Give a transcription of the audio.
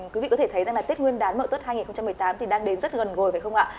quý vị có thể thấy rằng là tết nguyên đán mậu tuất hai nghìn một mươi tám thì đang đến rất gần gồi phải không ạ